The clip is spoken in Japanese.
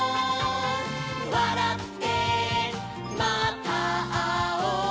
「わらってまたあおう」